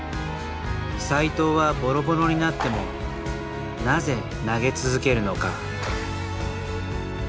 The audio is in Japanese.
斎藤はボロボロになってもなぜ投げ続けるのか。